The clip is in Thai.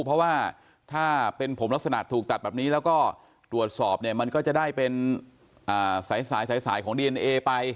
เพราะว่าถ้าเป็นผมลักษณะถูกตัดแบบนี้แล้วก็ตรวจสอบเนี่ยมันก็จะได้เป็นสายสายของดีเอนเอไป